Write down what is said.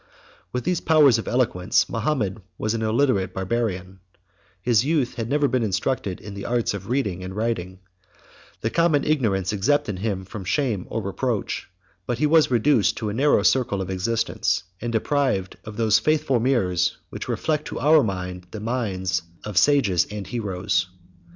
With these powers of eloquence, Mahomet was an illiterate Barbarian: his youth had never been instructed in the arts of reading and writing; 70 the common ignorance exempted him from shame or reproach, but he was reduced to a narrow circle of existence, and deprived of those faithful mirrors, which reflect to our mind the minds of sages and heroes.